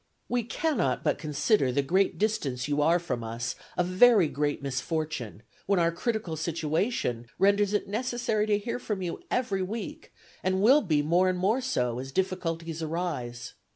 ... "We cannot but consider the great distance you are from us as a very great misfortune, when our critical situation renders it necessary to hear from you every week, and will be more and more so, as difficulties arise.